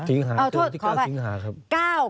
สิงหาจนวันที่๙สิงหาครับ